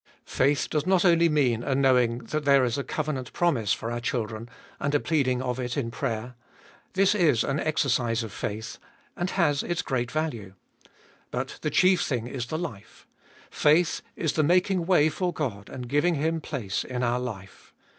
Faith does not only mean a knowing that there is a covenant promise for our children, and a pleading of it in prayer. This is an exercise of faith, and has its great value. But the chief thing is the life ; faith is the making way for God and giving Him place in our life.